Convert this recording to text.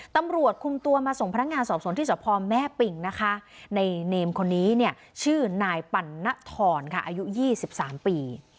ตำรวจคุมตัวมาส่งพนักงานสอบสวนที่สพแม่ปิ่งนะคะในเนมคนนี้เนี่ยชื่อนายปั่นนทรค่ะอายุ๒๓ปี